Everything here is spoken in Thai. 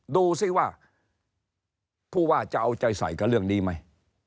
ดูสิว่าผู้ว่าจะเอาใจใส่กับเรื่องนี้ไหม